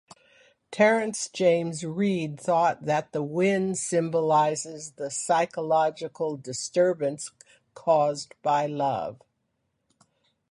Terence James Reed thought that the wind symbolises the psychological disturbance caused by love.